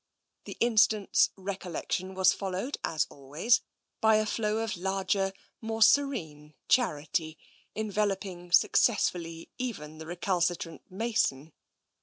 The instant's recollection was followed, as always, by a flow of larger, more serene charity, enveloping successfully even the recalcitrant Mason.